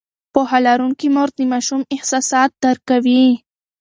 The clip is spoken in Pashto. پوهه لرونکې مور د ماشوم احساسات درک کوي.